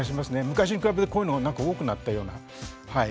昔に比べてこういうのなんか多くなったようなはい。